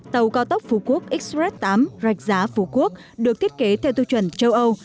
tàu cao tốc phú quốc express tám rạch giá phú quốc được thiết kế theo tiêu chuẩn châu âu